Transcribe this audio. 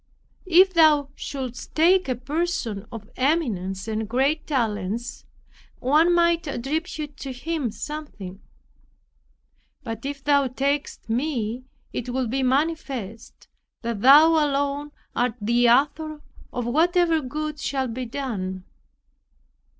If Thou shouldst take a person of eminence and great talents, one might attribute to him something; but if Thou takest me, it will be manifest that thou alone art the Author of whatever good shall be done."